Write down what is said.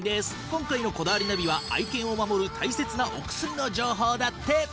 今回の『こだわりナビ』は愛犬を守る大切なお薬の情報だって。